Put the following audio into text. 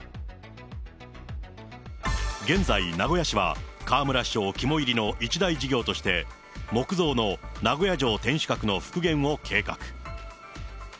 現在名古屋市は、河村市長肝いりの一大事業として、木造の名古屋城天守閣の復元を計画。